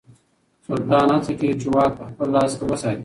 سلطان هڅه کوي چې واک په خپل لاس کې وساتي.